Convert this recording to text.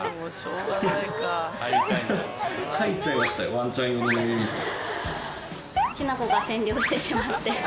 ワンちゃん用の飲み水に。